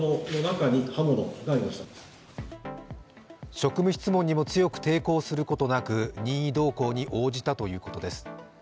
職務質問にも強く抵抗することなく任意同行に応じたということです。